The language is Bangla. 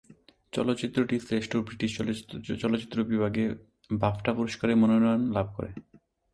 চলচ্চিত্রটি শ্রেষ্ঠ ব্রিটিশ চলচ্চিত্র বিভাগে বাফটা পুরস্কারের মনোনয়ন লাভ করে।